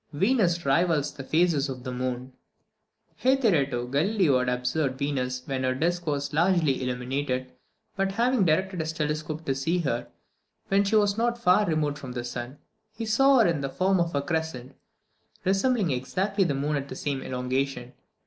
Venus rivals the phases of the moon. Hitherto, Galileo had observed Venus when her disc was largely illuminated; but having directed his telescope to her when she was not far removed from the sun, he saw her in the form of a crescent, resembling exactly the moon at the same elongation.